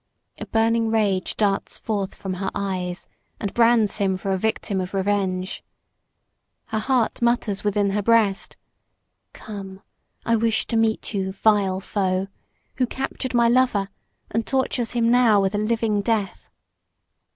A burning rage darts forth from her eyes and brands him for a victim of revenge. Her heart mutters within her breast, "Come, I wish to meet you, vile foe, who captured my lover and tortures him now with a living death."